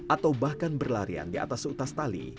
atau bahkan berlarian di atas seutas tali